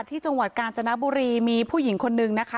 ที่จังหวัดกาญจนบุรีมีผู้หญิงคนนึงนะคะ